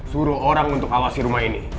suruh orang untuk awasi rumah ini